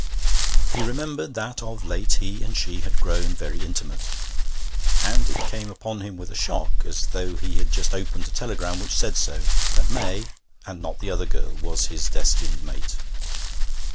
He remembered that of late he and she had grown very intimate; and it came upon him with a shock, as though he had just opened a telegram which said so, that May, and not the other girl, was his destined mate.